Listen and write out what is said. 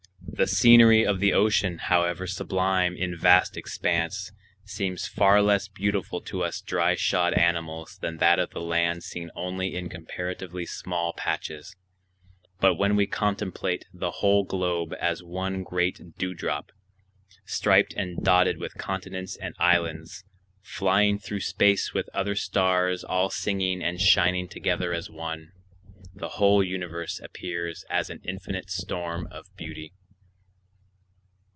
The scenery of the ocean, however sublime in vast expanse, seems far less beautiful to us dry shod animals than that of the land seen only in comparatively small patches; but when we contemplate the whole globe as one great dewdrop, striped and dotted with continents and islands, flying through space with other stars all singing and shining together as one, the whole universe appears as an infinite storm of beauty.